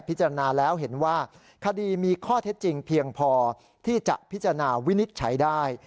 พิจารณาแล้วเห็นว่าคดีมีข้อเท็จจริงเพียงพอที่จะพิจารณาวินิจฉัยได้